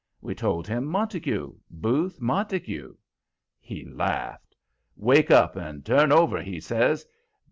We told him Montague, Booth Montague. He laughed. "Wake up and turn over," he says.